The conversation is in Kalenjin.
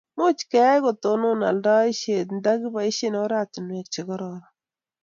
much keyai kotonon aldaishet nda kibaishe oratinwek che karoron